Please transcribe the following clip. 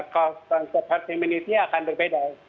konsep herd immunity akan berbeda